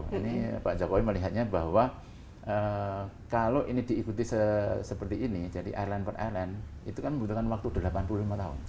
ini pak jokowi melihatnya bahwa kalau ini diikuti seperti ini jadi airline per airline itu kan membutuhkan waktu delapan puluh lima tahun